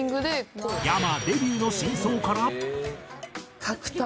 ｙａｍａデビューの真相から。